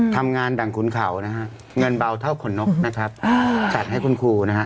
ดังขุนเขานะฮะเงินเบาเท่าขนนกนะครับจัดให้คุณครูนะฮะ